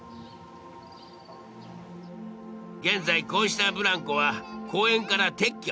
現在こうしたブランコは公園から撤去。